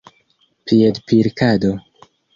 piedpilkado